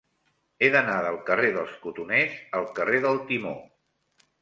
He d'anar del carrer dels Cotoners al carrer del Timó.